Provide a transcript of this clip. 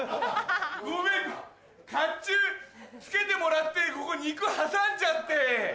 ごめん甲冑着けてもらってここ肉挟んじゃって。